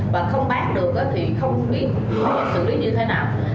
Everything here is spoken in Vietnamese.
và không bán được thì không biết xử lý như thế nào